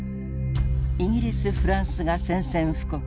イギリスフランスが宣戦布告。